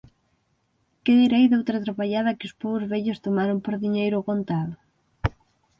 Que direi doutra trapallada que os pobos vellos tomaron por diñeiro ó contado?